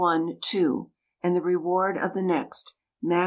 2), and the reward of the next (Matt.